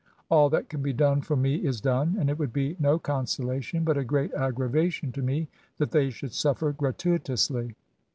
All that can be done for me is done ; and it would be no consolation^ but a great aggravation to me^ that they should suffer gratuitously.